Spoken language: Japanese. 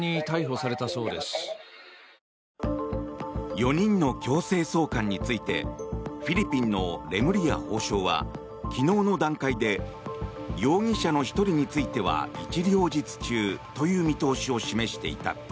４人の強制送還についてフィリピンのレムリヤ法相は昨日の段階で容疑者の１人については一両日中という見通しを示していた。